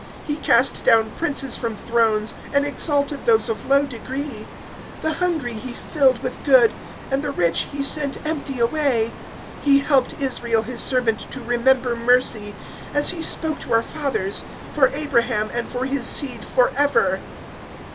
(52)He cast down princes from thrones, and exalted those of low degree. (53)The hungry he filled with good, and the rich he sent empty away. (54)He helped Israel, his servant; to remember mercy, (55)as he spoke to our fathers, for Abraham and for his seed forever.